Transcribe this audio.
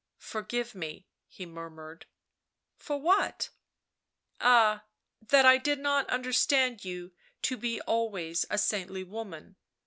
..." Porgive me," he murmured. " For what ?"" Ah — that I did not understand you to be always a saintly woman."